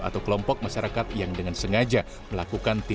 tim pembela jokowi